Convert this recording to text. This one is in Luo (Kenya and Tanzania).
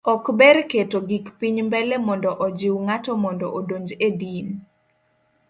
ok ber keto gik piny mbele mondo ojiu ng'ato mondo odonj e din